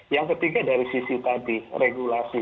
yang ketiga dari sisi tadi regulasi